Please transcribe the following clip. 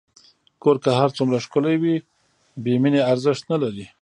کور که هر څومره ښکلی وي، بېمینې ارزښت نه لري.